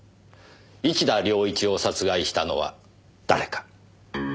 市田亮一を殺害したのは誰か？